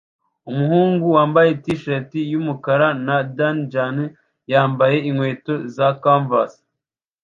umugabo wambaye t-shati yumukara na denim jeans yambaye inkweto za converse